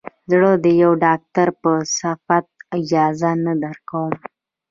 زه د يوه ډاکتر په صفت اجازه نه درکم.